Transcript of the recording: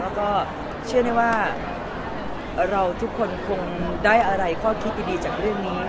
แล้วก็เชื่อได้ว่าเราทุกคนคงได้อะไรข้อคิดดีจากเรื่องนี้